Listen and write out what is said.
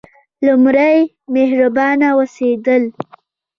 لومړی: مهربانه اوسیدل.